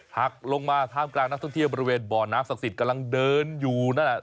หักลงมาท่ามกลางนักท่องเที่ยวบริเวณบ่อน้ำศักดิ์สิทธิ์กำลังเดินอยู่นั่นแหละ